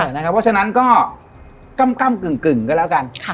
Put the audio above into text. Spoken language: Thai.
เพราะฉะนั้นก็กำกึ่งก็แล้วกัน